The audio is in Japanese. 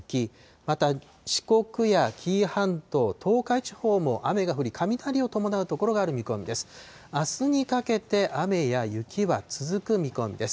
また四国や紀伊半島、東海地方も雨が降り、雷を伴う所がある見込みです。